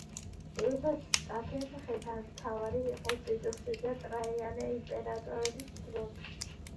ევსტათე მხედართმთავარი იყო ტიტუსი და ტრაიანე იმპერატორების დროს.